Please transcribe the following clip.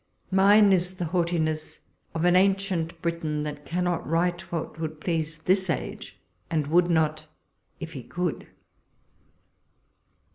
Mine is the haughti ness of an ancient Briton, that cannot write what would please this age, and w'ould not, if he could.